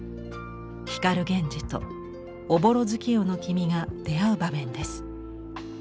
光源氏と朧月夜の君が出会う場面です。